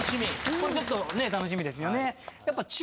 これちょっと楽しみですよね。